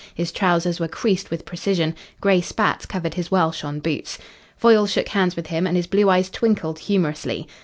His trousers were creased with precision. Grey spats covered his well shone boots. Foyle shook hands with him, and his blue eyes twinkled humorously.